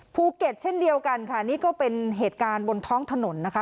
ภูเก็ตเช่นเดียวกันค่ะนี่ก็เป็นเหตุการณ์บนท้องถนนนะคะ